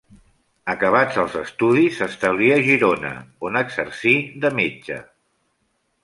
Acabats els estudis s'establí a Girona, on exercí de metge.